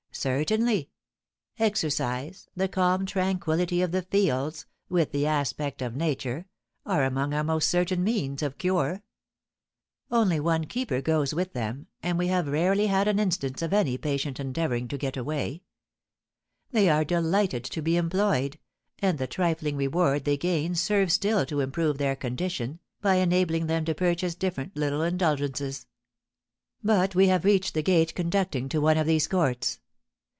"Certainly; exercise, the calm tranquillity of the fields, with the aspect of nature, are among our most certain means of cure. Only one keeper goes with them, and we have rarely had an instance of any patient endeavouring to get away; they are delighted to be employed, and the trifling reward they gain serves still to improve their condition, by enabling them to purchase different little indulgences. But we have reached the gate conducting to one of these courts."